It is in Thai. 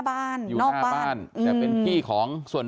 สวัสดีคุณผู้ชายสวัสดีคุณผู้ชาย